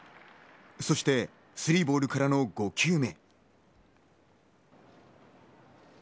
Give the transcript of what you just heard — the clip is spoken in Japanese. そして３ボールからの５球目。